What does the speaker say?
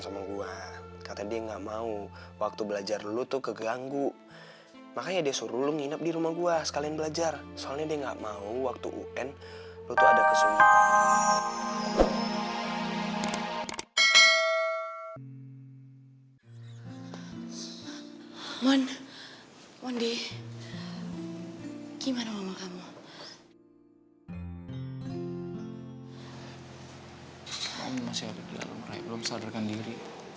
mama masih ada di dalam rai belum sadarkan diri